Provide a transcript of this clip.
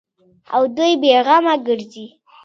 او دوى بې غمه گرځي.